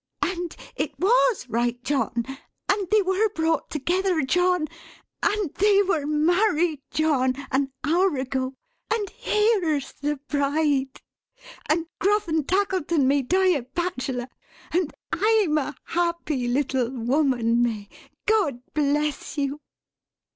And it WAS right, John! And they were brought together, John! And they were married, John, an hour ago! And here's the Bride! And Gruff and Tackleton may die a bachelor! And I'm a happy little woman, May, God bless you!"